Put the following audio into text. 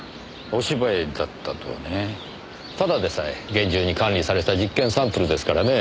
ただでさえ厳重に管理された実験サンプルですからねえ。